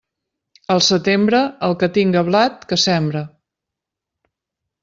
Al setembre, el que tinga blat, que sembre.